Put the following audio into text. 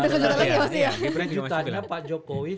kejutan nya pak jokowi